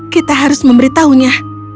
kita harus memberitahunya